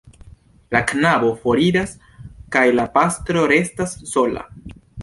La knabo foriras kaj la pastro restas sola.